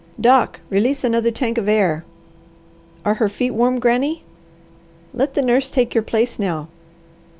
Doc, release another tank of air. Are her feet warm, Granny? Let the nurse take your place now.